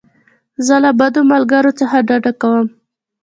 زه له بدو ملګرو څخه ډډه کوم.